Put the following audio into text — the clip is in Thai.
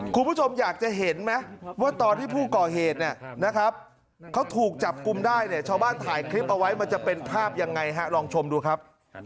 คุณผู้ชมอยากจะเห็นไหมว่าตอนที่ผู้ก่อเหตุเนี่ยนะครับเขาถูกจับกลุ่มได้เนี่ยชาวบ้านถ่ายคลิปเอาไว้มันจะเป็นภาพยังไงฮะลองชมดูครับ